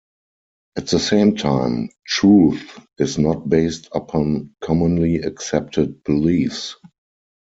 At the same time, truth is not based upon commonly accepted beliefs.